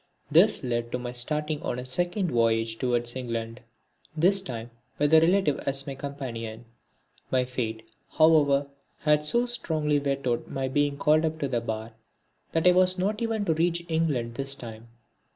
This led to my starting on a second voyage towards England, this time with a relative as my companion. My fate, however, had so strongly vetoed my being called to the bar that I was not even to reach England this time.